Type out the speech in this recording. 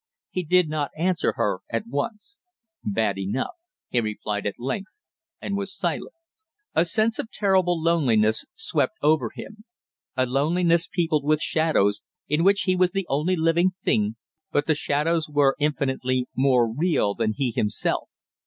He did not answer her at once. "Bad enough," he replied at length and was silent. A sense of terrible loneliness swept over him; a loneliness peopled with shadows, in which he was the only living thing, but the shadows were infinitely more real than he himself.